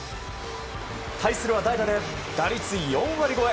対するは代打で打率４割５分